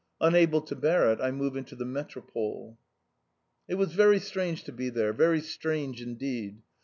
Unable to bear it, I moved into the Métropole. It was very strange to be there, very strange indeed!